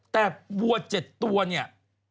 แต่วัว๗ตัวเนี่ย